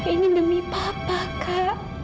ini demi papa kak